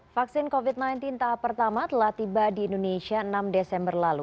vaksin covid sembilan belas tahap pertama telah tiba di indonesia enam desember lalu